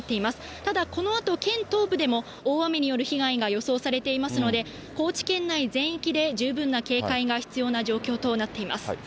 ただ、このあと、県東部でも大雨による被害が予想されていますので、高知県内全域で十分な警戒が必要な状況となっています。